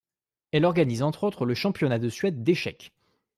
Elle organise entre autres le championnat de Suède d'échecs.